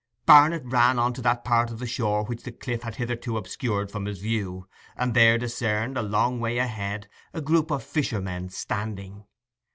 Barnet ran on to that part of the shore which the cliff had hitherto obscured from his view, and there discerned, a long way ahead, a group of fishermen standing.